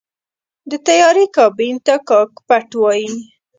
د طیارې کابین ته “کاکپټ” وایي.